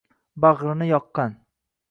Bag’rini yoqqan.